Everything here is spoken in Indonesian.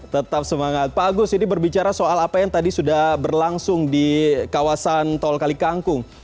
tetap semangat pak agus ini berbicara soal apa yang tadi sudah berlangsung di kawasan tol kalikangkung